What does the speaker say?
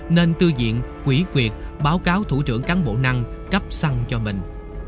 nên tư diện quỷ quyệt báo cáo thủ trưởng cán bộ năng cắp xăng cho mình